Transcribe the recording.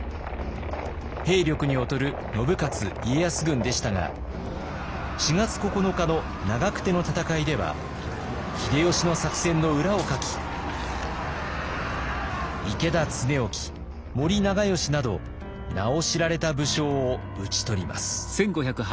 兵力に劣る信雄・家康軍でしたが４月９日の長久手の戦いでは秀吉の作戦の裏をかき池田恒興森長可など名を知られた武将を討ち取ります。